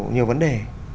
nhiều vấn đề